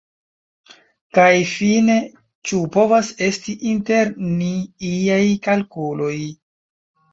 Kaj fine, ĉu povas esti inter ni iaj kalkuloj?